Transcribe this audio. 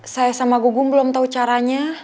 saya sama gugung belum tahu caranya